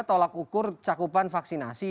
tolak ukur cakupan vaksinasi